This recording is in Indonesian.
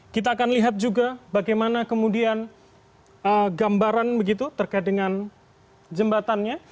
kita akan lihat juga bagaimana kemudian gambaran begitu terkait dengan jembatannya